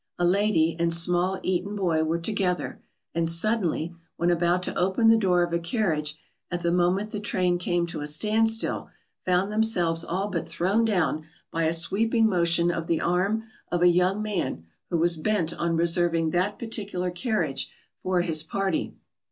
A lady and small Eton boy were together, and suddenly, when about to open the door of a carriage at the moment the train came to a standstill, found themselves all but thrown down by a sweeping motion of the arm of a young man who was bent on reserving that particular carriage for his party.